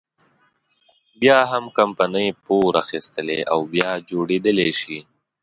بيا هم کمپنۍ پور اخیستلی او بیا جوړېدلی شي.